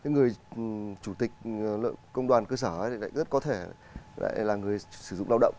người chủ tịch công đoàn cơ sở lại rất có thể là người sử dụng lao động